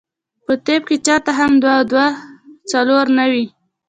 پۀ طب کښې چرته هم دوه او دوه څلور نۀ وي -